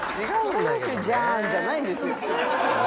「『万葉集』じゃん」じゃないんですよ。